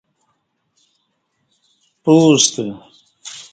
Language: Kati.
پُوستہ